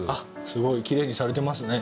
すごいきれいにされてますね